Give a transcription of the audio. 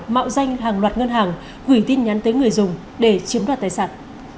mạo danh hàng loạt ngân hàng gửi tin nhắn tới người dùng để chiếm đoạt tài sản